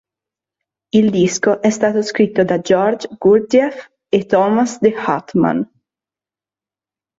Il disco è stato scritto da George Gurdjieff e Thomas de Hartmann.